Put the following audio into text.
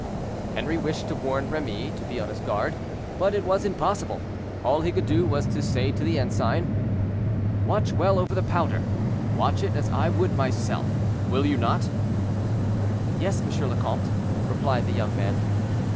Henri wished to warn Remy to be on his guard, but it was impossible; all he could do was to say to the ensign: "Watch well over the powder; watch it as I would myself, will you not?" "Yes, M. le Comte," replied the young man.